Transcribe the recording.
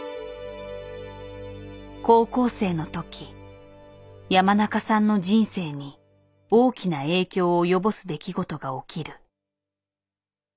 高校生の時山中さんの人生に大きな影響を及ぼす出来事が起きる。